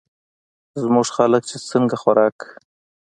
زمونږ خلک چې څنګه خوراک